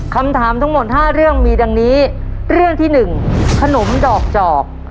คำถามทั้งหมดห้าเรื่องมีดังนี้เรื่องที่หนึ่งขนมดอกจอก